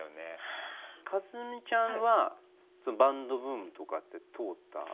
一実ちゃんはバンドブームとかって通った？